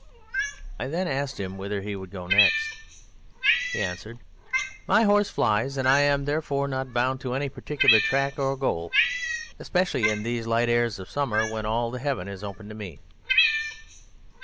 I then asked him whither he would go next. He answered: "My horse flies, and I am therefore not bound to any particular track or goal, especially in these light airs of summer when all the heaven is open to me."